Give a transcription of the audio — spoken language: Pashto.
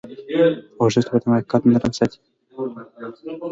ورزش د بدن حرکات نرم ساتي.